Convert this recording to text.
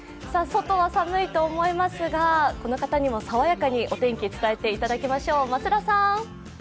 外は寒いと思いますがこの方にもさわやかにお天気を伝えていただきましょう。